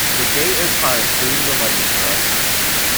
The gate is high including the lightning rod.